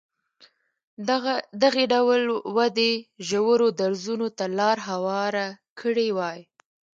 دغې ډول ودې ژورو درزونو ته لار هواره کړې وای.